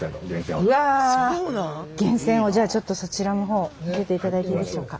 源泉をじゃあちょっとそちらのほう見せていただいていいでしょうか。